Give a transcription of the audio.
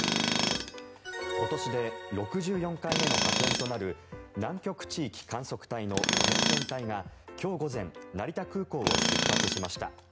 今年で６４回目の派遣となる南極地域観測隊の先遣隊が今日午前成田空港を出発しました。